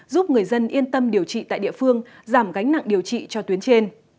giúp người dân yên tâm điều trị tại địa phương giảm gánh nặng điều trị cho tuyến trên